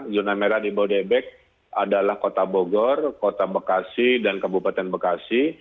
zona merah di bodebek adalah kota bogor kota bekasi dan kabupaten bekasi